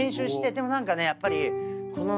でも何かねやっぱり。